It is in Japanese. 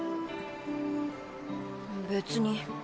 別に。